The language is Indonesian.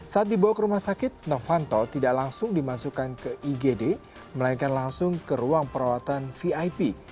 saat dibawa ke rumah sakit novanto tidak langsung dimasukkan ke igd melainkan langsung ke ruang perawatan vip